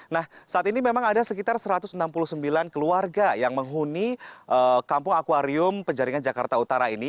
nah saat ini memang ada sekitar satu ratus enam puluh sembilan keluarga yang menghuni kampung akwarium penjaringan jakarta utara ini